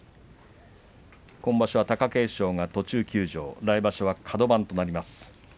今場所は、貴景勝が途中休場来場所はカド番となります。